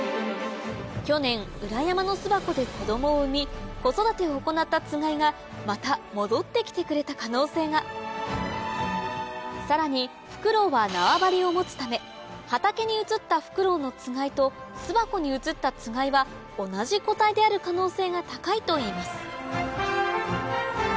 去年裏山の巣箱で子供を産み子育てを行ったつがいがまた戻って来てくれた可能性がさらにフクロウは縄張りを持つため畑に映ったフクロウのつがいと巣箱に映ったつがいは同じ個体である可能性が高いといいます